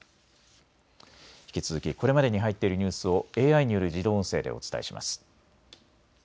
引き続きこれまでに入っているニュースをＡＩによる自動音声でお伝えします。